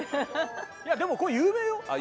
でもこれ有名よ。